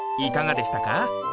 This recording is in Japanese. いかがでしたか？